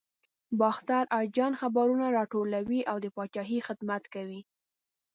باختر اجان خبرونه راټولوي او د پاچاهۍ خدمت کوي.